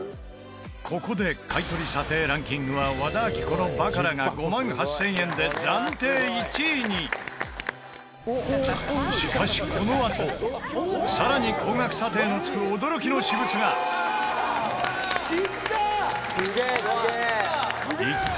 ここで、買取査定ランキングは和田アキ子のバカラが５万８０００円で暫定１位にしかし、このあと更に高額査定の付く驚きの私物が二階堂：いった！